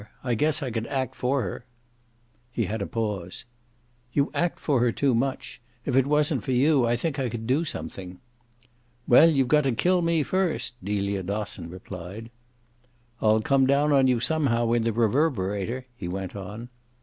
I guess I could act for her." He had a pause. "You act for her too much. If it wasn't for you I think I could do something." "Well, you've got to kill me first!" Delia Dosson replied. "I'll come down on you somehow in the Reverberator" he went on.